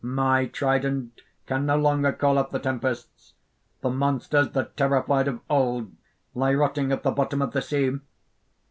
"My trident can no longer call up the tempests. The monsters that terrified of old, lie rotting at the bottom of the sea.